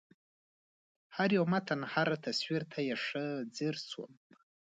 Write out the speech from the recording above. هر یو متن هر تصویر ته یې ښه ځېر شوم